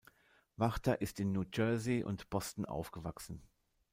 Wachter ist in New Jersey und Boston aufgewachsen.